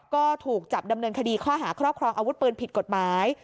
ก็ถูกจับดำเนินคดีข้อหาครอบครองอาวุธปืนผิดกฎหมาย